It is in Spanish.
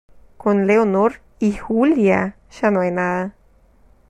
con Leonor. ¿ y Julia? ¿ ya no hay nada ?